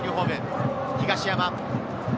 東山。